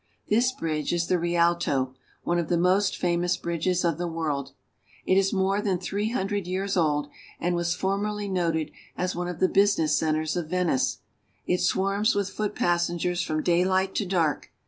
This bridge is the Rialto, one of the most famous bridges of the world. It is more than three hundred years old, and was formerly noted as one of the business centers of Venice. It swarms with foot passengers from daylight to dark.